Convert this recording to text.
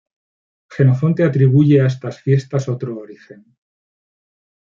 Jenofonte atribuye a estas fiestas otro origen.